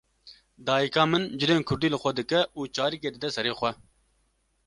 Dayîka min cilên kurdî li xwe dike û çarikê dide sere xwe.